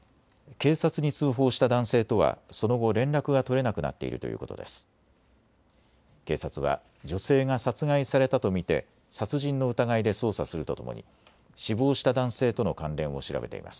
警察に通報した男性とはその後、連絡が取れなくなっているということです。